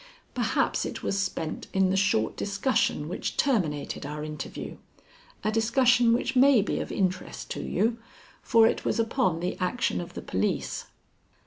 Perhaps it was spent in the short discussion which terminated our interview; a discussion which may be of interest to you, for it was upon the action of the police.